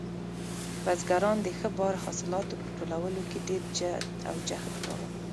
بزګران د ښه بار حاصلاتو په ټولولو کې ډېر جد او جهد کاوه.